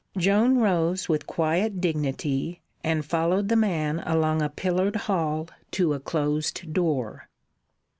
Joan rose with quiet dignity and followed the man along a pillared hall to a closed door.